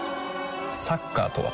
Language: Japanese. サッカーとは？